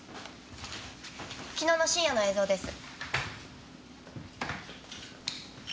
昨日の深夜の映像です。